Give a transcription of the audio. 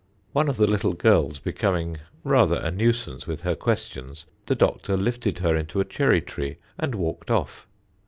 One of the little girls becoming rather a nuisance with her questions, the Doctor lifted her into a cherry tree and walked off.